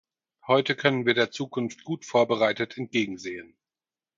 Heute können wir der Zukunft gut vorbereitet entgegensehen.